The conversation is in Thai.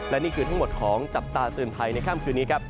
และนี่คือทั้งหมดของจับตาเตือนภัยในค่ำคืนนี้ครับ